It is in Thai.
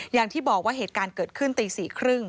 อย่างที่บอกว่าเหตุการณ์เกิดขึ้นตี๔๓๐